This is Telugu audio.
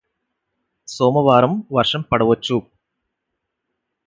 సోమవారం వర్షం పడవచ్చు